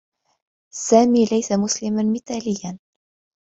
سامي ليس مسلما مثاليّا.